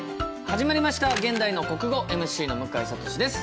始まりました「現代の国語」ＭＣの向井慧です。